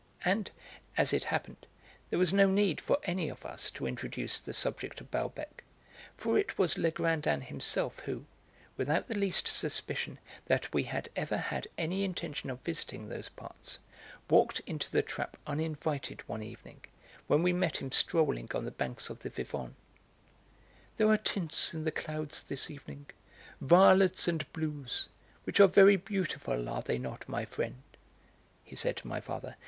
And, as it happened, there was no need for any of us to introduce the subject of Balbec, for it was Legrandin himself who, without the least suspicion that we had ever had any intention of visiting those parts, walked into the trap uninvited one evening, when we met him strolling on the banks of the Vivonne. "There are tints in the clouds this evening, violets and blues, which are very beautiful, are they not, my friend?" he said to my father.